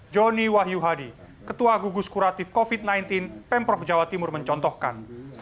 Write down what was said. joni wahyu hadi ketua gugus kuratif covid sembilan belas pemprov jawa timur mencontohkan